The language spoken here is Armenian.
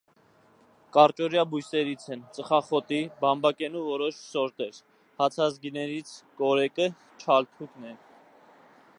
Կարճօրյա բույսերից են՝ ծխախոտի, բամբակենու որոշ սորտեր, հացազգիներից կորեկը, չալթուկը են։